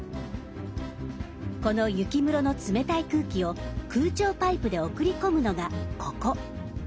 この雪室の冷たい空気を空調パイプで送り込むのがここ。